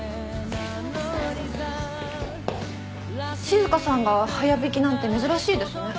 静さんが早引きなんて珍しいですね。